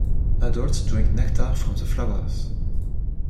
Adults drink nectar from the flowers.